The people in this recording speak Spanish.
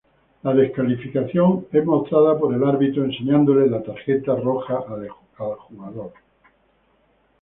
La descalificación es mostrada por el árbitro enseñándole la tarjeta roja al jugador.